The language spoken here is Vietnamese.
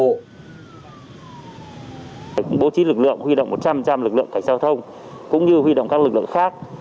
bố trí lực lượng huy động một trăm linh lực lượng cảnh giao thông cũng như huy động các lực lượng khác